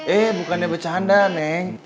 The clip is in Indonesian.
eh bukannya bercanda neng